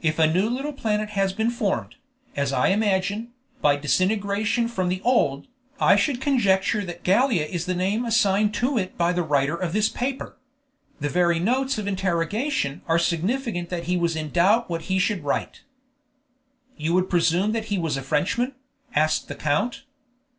"If a new little planet has been formed, as I imagine, by disintegration from the old, I should conjecture that Gallia is the name assigned to it by the writer of this paper. The very notes of interrogation are significant that he was in doubt what he should write." "You would presume that he was a Frenchman?" asked the count.